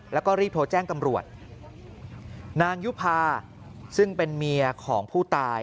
แล้วก็รีบโทรแจ้งตำรวจนางยุภาซึ่งเป็นเมียของผู้ตาย